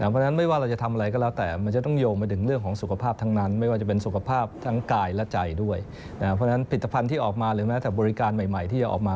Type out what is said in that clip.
เพราะฉะนั้นไม่ว่าเราจะทำอะไรก็แล้วแต่